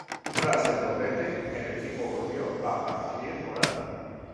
Tras el doblete, el equipo volvió a adquirir moral.